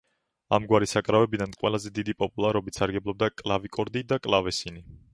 ამგვარი საკრავებიდან ყველაზე დიდი პოპულარობით სარგებლობდა კლავიკორდი და კლავესინი.